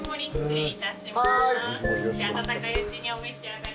温かいうちにお召し上がり。